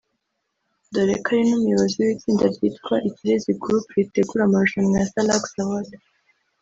dore ko ari n’umuyobozi w’itsinda ryitwa Ikirezi Group ritegura amarushanwa ya Salax Awards